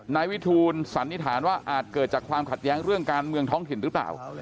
นายวิทูลสันนิษฐานว่าอาจเกิดจากความขัดแย้งเรื่องการเมืองท้องถิ่นหรือเปล่า